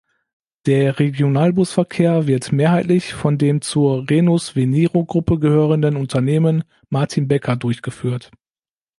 Der Regionalbusverkehr wird mehrheitlich von dem zur Rhenus-Veniro-Gruppe gehörenden Unternehmen Martin Becker durchgeführt.